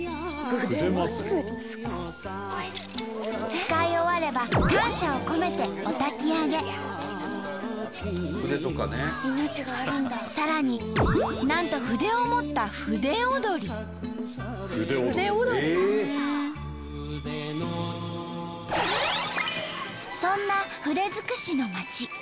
使い終われば感謝を込めてさらになんと筆を持ったそんな筆づくしの町。